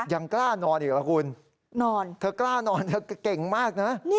ยังกล้านอนอีกเหรอครับคุณ